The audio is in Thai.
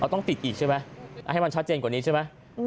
ต้องติดอีกใช่ไหมให้มันชัดเจนกว่านี้ใช่ไหม